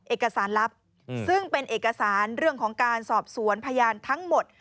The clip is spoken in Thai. เอกสารลับซึ่งเป็นเอกสารเรื่องของการสอบสวนพยานทั้งหมด